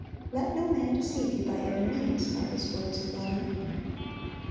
"Let no man deceive you by any means,"(768) are his words of warning.